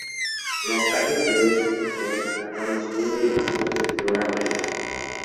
Las partes superiores son de color marrón oscuro, y los ojos de color amarillo.